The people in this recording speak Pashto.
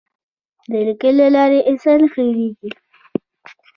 د لیک له لارې انسان نه هېرېږي.